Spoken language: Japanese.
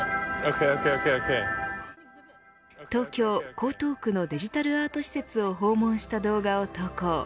東京・江東区のデジタルアート施設を訪問した動画を投稿。